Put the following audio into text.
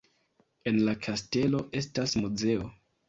En la kastelo estas muzeo.